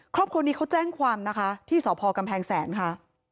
ครอบครัวนี้เขาแจ้งความนะคะที่สพกำแพงแสนค่ะ